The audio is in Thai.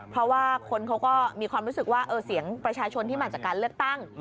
เพราะว่าคนเขาก็มีความรู้สึกว่าเสียงประชาชนที่มาจากการเลือกตั้ง